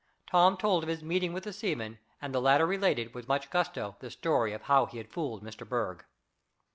Tom told of his meeting with the seaman, and the latter related, with much gusto, the story of how he had fooled Mr. Berg.